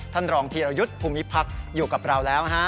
ท่านรองธีรยุทธ์ภูมิพักอยู่กับเราแล้วฮะ